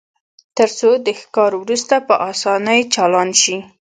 ترڅو د ښکار وروسته په اسانۍ چالان شي